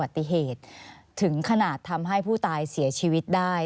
ว่าจะเกิดอุบัติเหตุถึงขนาดทำให้ผู้ตายเสียชีวิตได้